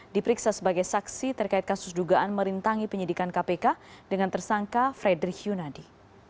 diperiksa sebagai saksi terkait kasus dugaan merintangi penyidikan kpk dengan tersangka frederick yunadi